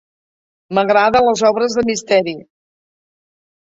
M'agraden les obres de misteri.